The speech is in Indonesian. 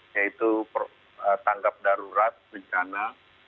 yaitu tangkap darurat bencana